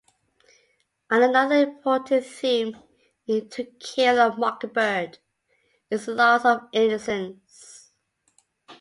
Another important theme in "To Kill a Mockingbird" is the loss of innocence.